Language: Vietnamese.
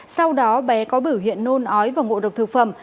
sau đó bé có biểu hiện nôn ói và ngộ độc thực phẩm